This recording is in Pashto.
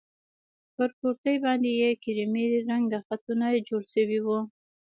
پر کورتۍ باندې يې کيريمي رنګه خطونه جوړ شوي وو.